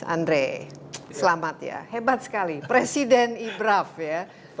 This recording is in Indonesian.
andre selamat ya hebat sekali presiden ibraf ya